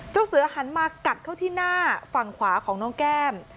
เจ้าเสือหันมากัดเข้าที่หน้าฝั่งขวาของน้องแก้ม